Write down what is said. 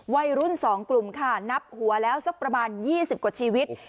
วัยรุ่น๒กลุ่มค่ะนับหัวแล้วสักประมาณ๒๐กว่าชีวิต